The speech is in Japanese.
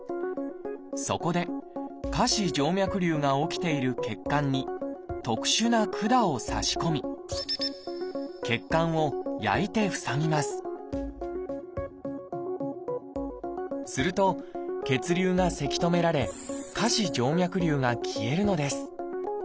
そこで下肢静脈りゅうが起きている血管に特殊な管をさし込み血管を焼いて塞ぎますすると血流がせき止められ下肢静脈りゅうが消えるのです。